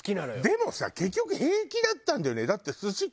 でもさ結局平気だったんだよね。